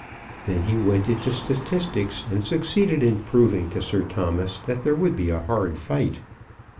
Then he went into statistics, and succeeded in proving to Sir Thomas that there would be a hard fight.